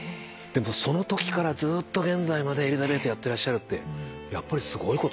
でもそのときからずーっと現在までエリザベートやってらっしゃるってやっぱりすごいことですよね。